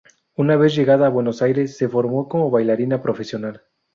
Una vez llegada a Buenos Aires se formó como bailarina profesional.